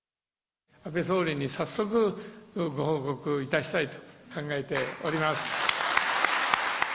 安倍総理に早速、ご報告いたしたいと考えております。